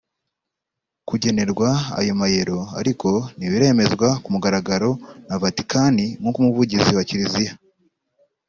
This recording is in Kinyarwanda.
Kugenerwa ayo mayero ariko ntibiremezwa ku mugaragaro na Vatikani nk’uko Umuvugizi wa Kiliziya